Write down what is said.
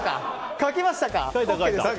書きましたか？